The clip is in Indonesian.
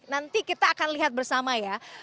nanti kita akan lihat bersama ya